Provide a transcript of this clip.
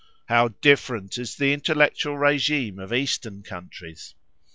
How different is the intellectual regime of Eastern countries!